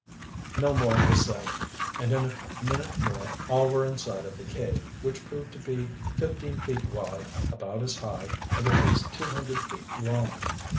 No more was said, and in a minute more all were inside of the cave, which proved to be fifteen feet wide, about as high, and at least two hundred feet long.